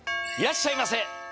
いらっしゃいませ。